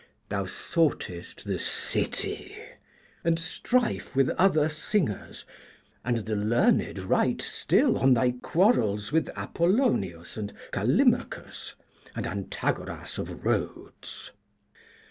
Thou soughtest the City, and strife with other singers, and the learned write still on thy quarrels with Apollonius and Callimachus, and Antagoras of Rhodes.